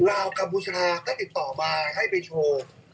ราวกับบุชาราก็ติดต่อมาให้ไปโชว์